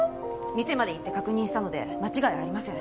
店まで行って確認したので間違いありません。